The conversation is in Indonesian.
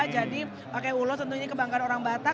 jadi pakai ulos tentunya ini kebanggaan orang batak